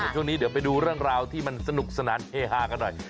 ช่วงนี้เดี๋ยวไปดูเรื่องราวที่มันสนุกสนานเฮฮากันหน่อย